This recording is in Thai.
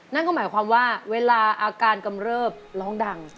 นั่นก็หมายความว่าเวลาอาการกำเริบร้องดัง